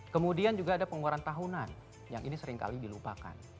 kemudian juga ada pengeluaran tahunan yang ini seringkali dilupakan